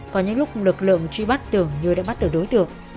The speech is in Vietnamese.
có những lúc lực lượng truy bắt tưởng như đã bắt được đối tượng